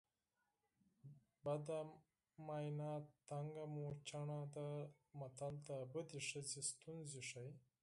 بده ماینه تنګه موچڼه ده متل د بدې ښځې ستونزې ښيي